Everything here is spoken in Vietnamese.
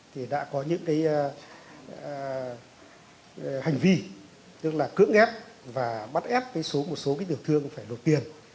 thì đã có những cái hành vi tức là cưỡng ghép và bắt ép một số tiểu thương phải lột tiền